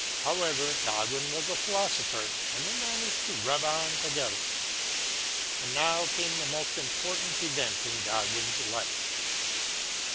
However, Godwin was a philosopher, and they managed to rub on together. And now came the most important event in Godwin's life.